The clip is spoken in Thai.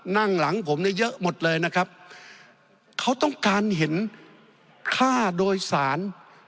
นั่งหลังผมเนี่ยเยอะหมดเลยนะครับเขาต้องการเห็นค่าโดยสาร